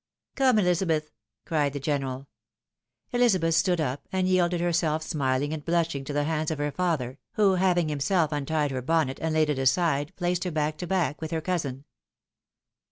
" Come, Elizabeth," cried the general. Elizabeth stood up, and yielded herself smiling and blushing to the hands of her father, who having himself untied her bonnet and laid it aside, placed her back to back with her cousin.